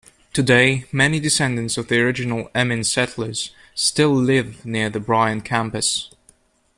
Today, many descendants of the original Emin settlers still live near the Bryant campus.